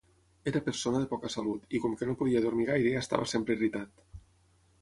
Era persona de poca salut, i com que no podia dormir gaire estava sempre irritat.